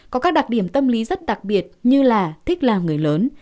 có các đặc điểm tâm lý rất đặc biệt như là thích làm người lớn